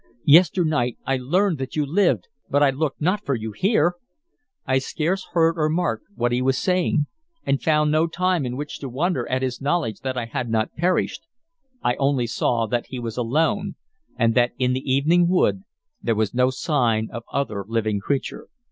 Yesternight I learned that you lived, but I looked not for you here." I scarce heard or marked what he was saying, and found no time in which to wonder at his knowledge that I had not perished. I only saw that he was alone, and that in the evening wood there was no sign of other living creature.